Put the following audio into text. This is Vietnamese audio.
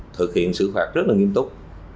thực hiện xử phạt rất là nghiêm túc